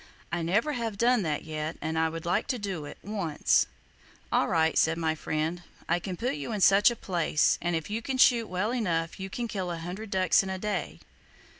I never have done that yet, and I would like to do it, once!" "All right," said my friend, "I can put you in such a place; and if you can shoot well enough, you can kill a hundred ducks in a day."